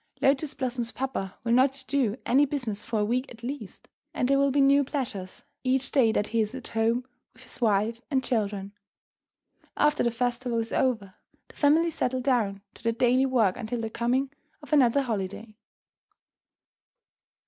Lotus Blossom's papa will not do any business for a week at least, and there will be new pleasures each day that he is at home with his wife and children. After the festival is over, the family settle down to their daily work until the coming of another holiday.